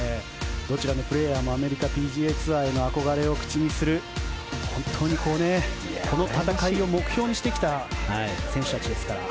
どちらのプレーヤーもアメリカＰＧＡツアーへの憧れを口にする、本当にこの戦いを目標にしてきた選手たちですから。